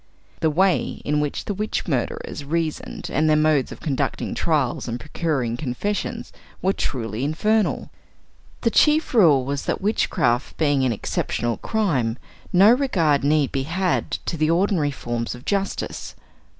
The way in which the witch murderers reasoned, and their modes of conducting trials and procuring confessions, were truly infernal. The chief rule was that witchcraft being an "exceptional crime," no regard need be had to the ordinary forms of justice.